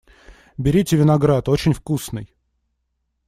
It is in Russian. Берите виноград, очень вкусный!